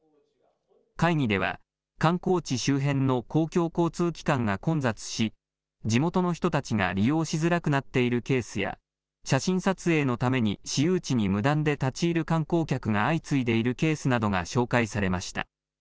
会議では観光地周辺の公共交通機関が混雑し地元の人たちが利用しづらくなっているケースや、写真撮影のために私有地に無断で立ち入る観光客が相次いでいるケースなどが紹介されました。